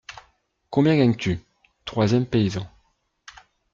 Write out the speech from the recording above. Combien gagnes-tu ? troisième paysan.